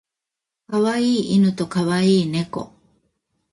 可愛い犬と可愛い猫